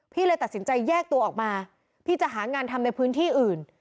เลยตัดสินใจแยกตัวออกมาพี่จะหางานทำในพื้นที่อื่น